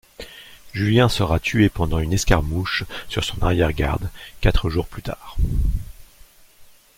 Julien sera tué pendant une escarmouche sur son arrière-garde, quatre jours plus tard.